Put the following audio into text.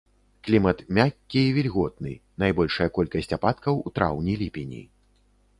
Клімат мяккі і вільготны, найбольшая колькасць ападкаў у траўні-ліпені.